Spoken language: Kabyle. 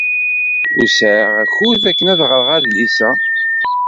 Ur sɛiɣ akud akken ad ɣreɣ adlis-a.